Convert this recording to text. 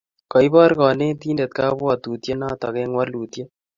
koibor kanetindet kabuatutiet notok eng' walutiet